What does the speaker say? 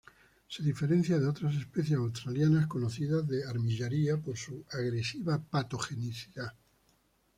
Se diferencia de otras especies australianas conocidas de "Armillaria" por su agresiva patogenicidad.